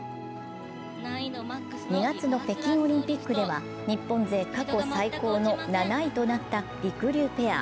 ２月の北京オリンピックでは日本勢過去最高の７位となったりくりゅうペア。